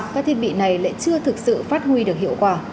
các thiết bị này lại chưa thực sự phát huy được hiệu quả